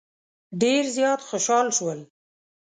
ډېر زیات خوشال شول.